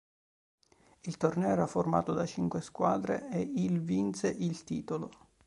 Il torneo era formato da cinque squadre e il vinse il titolo.